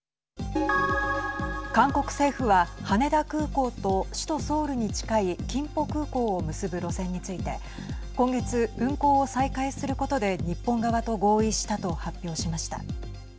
韓国政府は羽田空港と首都ソウルに近いキンポ空港を結ぶ路線について今月、運航を再開することで日本側と合意したと発表しました。